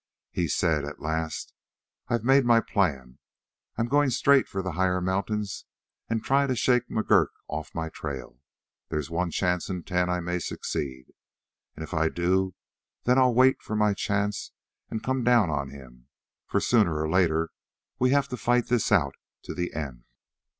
He said at last: "I've made my plan. I am going straight for the higher mountains and try to shake McGurk off my trail. There's one chance in ten I may succeed, and if I do then I'll wait for my chance and come down on him, for sooner or later we have to fight this out to the end."